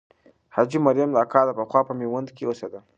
حاجي مریم اکا پخوا په میوند کې اوسېده.